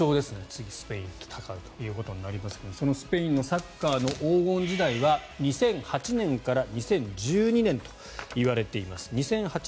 次、スペインと戦うということになりますがそのスペインのサッカーの黄金時代は２００８年から２０１２年といわれています。